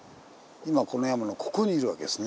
今この山のここにいるわけですね。